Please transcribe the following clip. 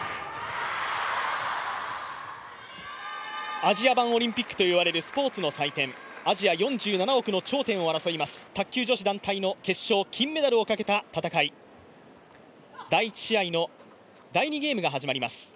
アジア版オリンピックと呼ばれるスポーツの祭典、アジア４７億の頂点を争います、卓球女子団体の決勝、金メダルをかけた戦い、第１試合の第２ゲームが始まります。